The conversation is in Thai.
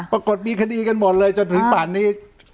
ปรากฏมีคดีกันหมดเลยจนถึงป่านนี้